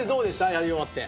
やり終わって。